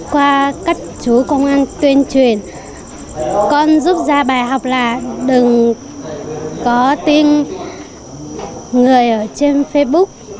qua các chú công an tuyên truyền con rút ra bài học là đừng có tin người ở trên facebook